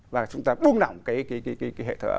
và chúng ta bung nỏng cái hệ thống